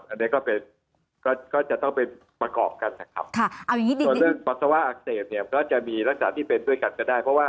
อันนี้ก็จะต้องเป็นประกอบกันนะครับส่วนเรื่องปัสสาวะอักเสบก็จะมีรักษาที่เป็นด้วยกันก็ได้